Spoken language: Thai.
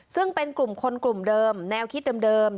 ซึ่งเป็นกลุ่มคนกลุ่มเดิมแนวคิดเดิม